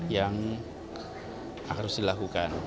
yang harus dilakukan